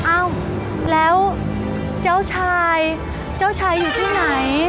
เอ้าแล้วเจ้าชายเจ้าชายอยู่ที่ไหน